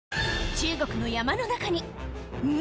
中国の山の中にん？